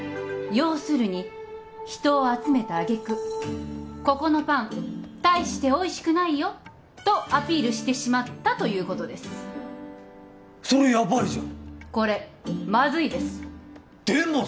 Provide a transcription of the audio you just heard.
要するに人を集めた揚げ句ここのパン大しておいしくないよとアピールしてしまったということですそれヤバいじゃん